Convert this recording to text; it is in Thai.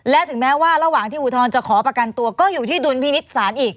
และถึงแม้ว่าระหว่างที่อุทธรณ์จะขอประกันตัวก็อยู่ที่ดุลพินิษฐ์ศาลอีก